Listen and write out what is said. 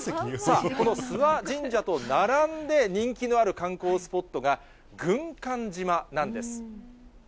その諏訪神社と並んで人気のある観光スポットが、軍艦島なんです。